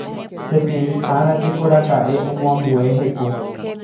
Péteĩ ára jekoraka'e omoambue heko